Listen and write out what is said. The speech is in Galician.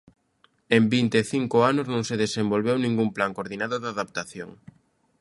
En vinte e cinco anos non se desenvolveu ningún plan coordinado de adaptación.